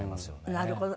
なるほど。